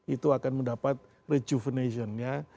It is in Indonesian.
itu akan mendapat rejuvenation nya